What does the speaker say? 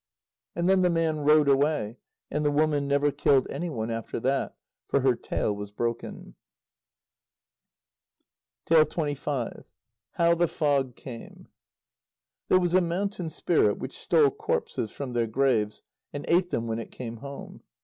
And then the man rowed away, and the woman never killed anyone after that, for her tail was broken. HOW THE FOG CAME There was a Mountain Spirit, which stole corpses from their graves and ate them when it came home.